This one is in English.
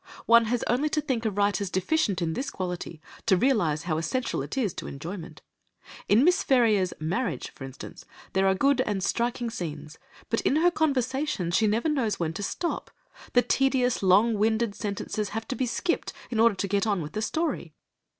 One has only to think of writers deficient in this quality to realise how essential it is to enjoyment. In Miss Ferrier's Marriage, for instance, there are good and striking scenes, but in her conversations she never knows when to stop, the tedious long winded sentences have to be skipped in order to get on with the story.